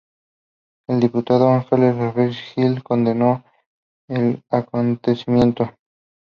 El diputado Ángel Álvarez Gil condenó el acontecimiento.